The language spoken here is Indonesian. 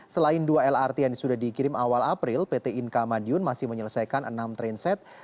selain dua lrt yang sudah dikirim awal april pt inka madiun masih menyelesaikan enam trainset